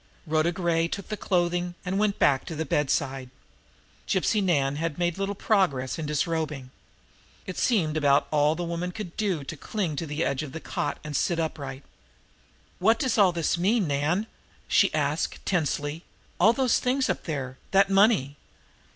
Rhoda Gray took the clothing, and went back to the bedside. Gypsy Nan had made little progress in disrobing. It seemed about all the woman could do to cling to the edge of the cot and sit upright. "What does all this mean, Nan," she asked tensely; "all those things up there that money?"